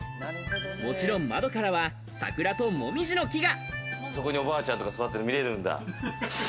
もちろん窓からは桜と紅葉の木が。